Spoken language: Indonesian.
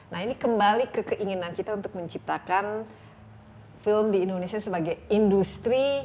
nah ini kembali ke keinginan kita untuk menciptakan film di indonesia sebagai industri